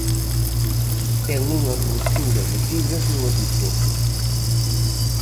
Ten unha rotura de fibras no adutor.